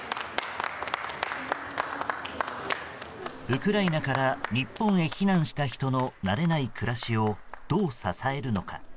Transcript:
ウクライナから日本へ避難した人の慣れない暮らしをどう支えるのか。